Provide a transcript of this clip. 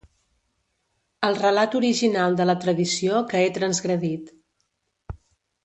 El relat original de la tradició que he transgredit.